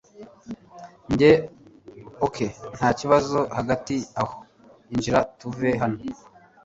Njye ok ntakibazo hagati aho injira tuve hano